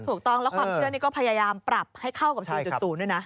ถูกต้องแล้วความเชื่อนี่ก็พยายามปรับให้เข้ากับ๔๐ด้วยนะ